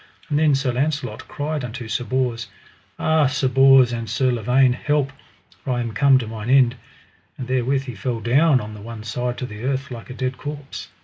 And then Sir Launcelot cried unto Sir Bors: Ah, Sir Bors and Sir Lavaine, help, for I am come to mine end. And therewith he fell down on the one side to the earth like a dead corpse.